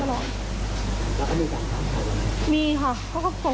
ว่าหนูไม่ใช่เจ้าแม่เงินกู้